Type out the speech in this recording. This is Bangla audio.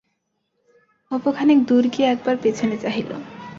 অপু খানিক দূর গিয়া একবার পিছনে চাহিল।